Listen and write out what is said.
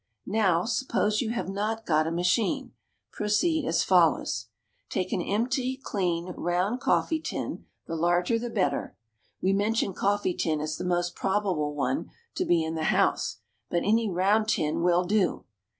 Now, suppose you have not got a machine, proceed as follows: Take an empty, clean, round coffee tin (the larger the better). [We mention coffee tin as the most probable one to be in the house, but any round tin will do.